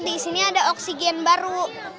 di sini ada oksigen baru